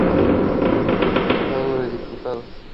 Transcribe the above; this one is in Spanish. Listado de diputados